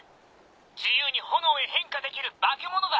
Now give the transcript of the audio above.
自由に炎へ変化できる化け物だ。